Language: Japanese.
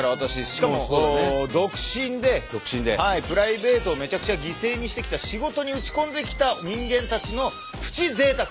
しかも独身でプライベートをめちゃくちゃ犠牲にしてきた仕事に打ち込んできた人間たちのプチ贅沢と。